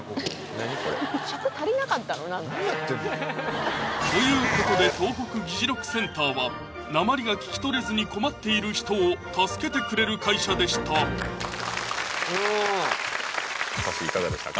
何やってんの？ということで東北議事録センターは訛りが聞き取れずに困っている人を助けてくれる会社でしたさっしーいかがでしたか？